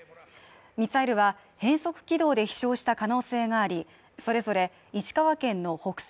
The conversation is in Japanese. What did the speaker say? ミサイルは変則軌道で飛翔した可能性があり、それぞれ石川県の北西